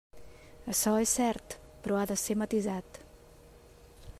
Açò és cert, però ha de ser matisat.